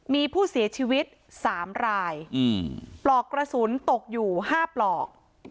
มีผู้เสียชีวิต๓รายปลอกกระสุนตกอยู่๕ปลอก